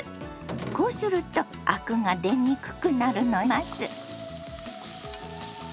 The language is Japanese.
こうするとアクが出にくくなるのよ。